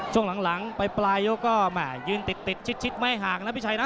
ช่วงหลังไปปลายยกก็แห่ยืนติดชิดไม่ห่างนะพี่ชัยนะ